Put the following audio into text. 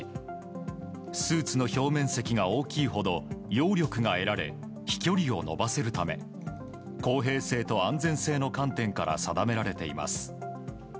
スーツの表面積が大きいほど揚力を得られ飛距離を伸ばせるため公平性と安全性の観点から定められています。